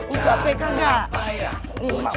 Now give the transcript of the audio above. udah peka nggak